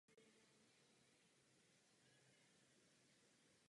Rádia ho začala hrát v říjnu téhož roku.